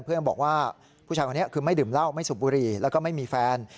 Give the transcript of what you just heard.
เพื่อนบอกว่าผู้ชายคนนี้คือไม่ดื่มเหล้าไม่สูบบุหรี่แล้วก็ไม่มีแฟน